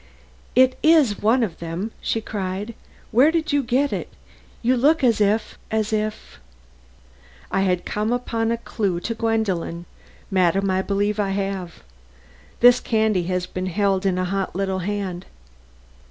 "It is one of them," she cried. "Where did you get it? You look as if as if " "I had come upon a clue to Gwendolen? Madam, I believe I have. This candy has been held in a hot little hand.